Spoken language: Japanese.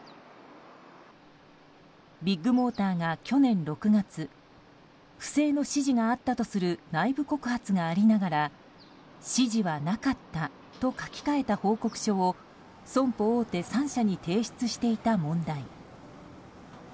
ビッグモーターが去年６月不正の指示があったとする内部告発がありながら指示はなかったと書き換えた報告書を損保大手３社に提出していた問題。